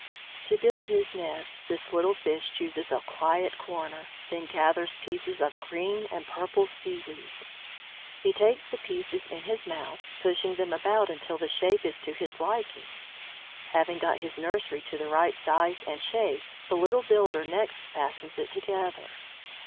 To build his nest, this little fish chooses a quiet corner, then gathers pieces of green and purple seaweed. He takes the pieces in his mouth, pushing them about until the shape is to his liking. Having got his nursery to the right size and shape, the little builder next fastens it together.